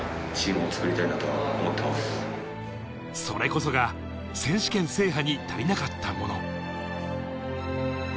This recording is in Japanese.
それこそが選手権制覇に足りなかったもの。